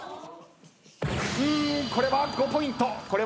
これは５ポイント。